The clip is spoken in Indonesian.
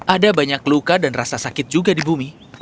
ada banyak luka dan rasa sakit juga di bumi